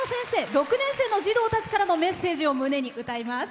６年生の児童たちからのメッセージを胸に歌います。